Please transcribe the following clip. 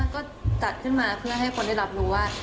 ก็จัดขึ้นมาเพื่อให้คนได้รับรู้ว่า